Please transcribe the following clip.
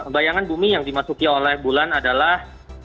bayangan bumi yang dimasuki oleh bulan adalah